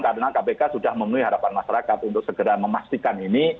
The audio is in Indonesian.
karena kpk sudah memenuhi harapan masyarakat untuk segera memastikan ini